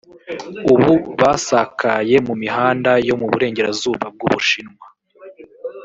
ubu basakaye mu mihanda yo mu Burengerazuba bw’u Bushinwa